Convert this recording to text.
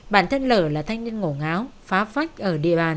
bản thân lờ là thanh niên ngổ ngáo